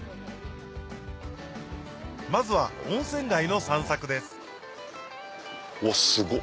まずは温泉街の散策ですおっすご！